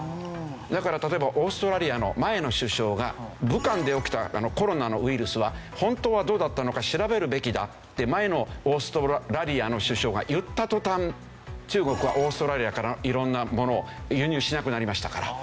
だから例えばオーストラリアの前の首相が武漢で起きたコロナのウイルスは本当はどうだったのか調べるべきだって前のオーストラリアの首相が言った途端中国はオーストラリアから色んなものを輸入しなくなりましたから。